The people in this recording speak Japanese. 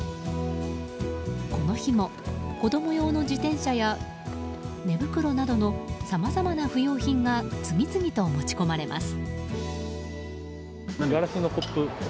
この日も、子供用の自転車や寝袋などの、さまざまな不要品が次々と持ち込まれます。